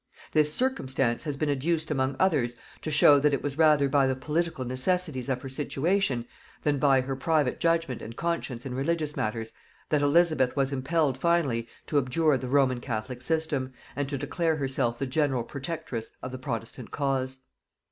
This circumstance has been adduced among others, to show that it was rather by the political necessities of her situation, than by her private judgement and conscience in religious matters, that Elizabeth was impelled finally to abjure the Roman catholic system, and to declare herself the general protectress of the protestant cause.